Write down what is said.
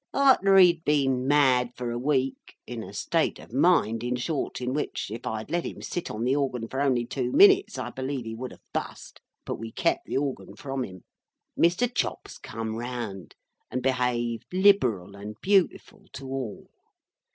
Arter he had been mad for a week—in a state of mind, in short, in which, if I had let him sit on the organ for only two minutes, I believe he would have bust—but we kep the organ from him—Mr. Chops come round, and behaved liberal and beautiful to all.